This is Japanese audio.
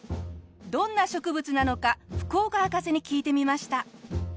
どんな植物なのか福岡博士に聞いてみました。